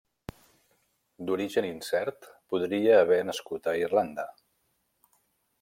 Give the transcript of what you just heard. D'origen incert, podria haver nascut a Irlanda.